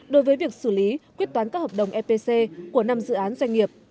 đối với việc xử lý quyết toán các hợp đồng epc của năm dự án doanh nghiệp